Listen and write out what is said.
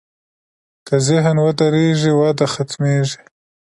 که ذهن ودرېږي، وده ختمېږي.